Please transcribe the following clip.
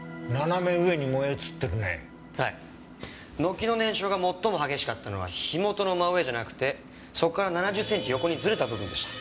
軒の燃焼が最も激しかったのは火元の真上じゃなくてそこから７０センチ横にずれた部分でした。